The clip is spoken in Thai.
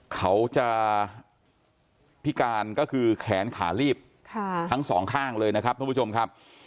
เขาจะพิการก็คือแขนขาลีบทั้งสองข้างเลยนะครับทุกผู้ชมครับ